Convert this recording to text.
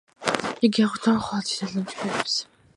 იგი აღიქვამდა მხოლოდ წითელ და ლურჯ ფერებს.